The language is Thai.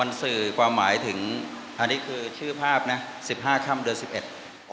มันสื่อความหมายถึงอันนี้คือชื่อภาพนะสิบห้าค่ำเดือนสิบเอ็ด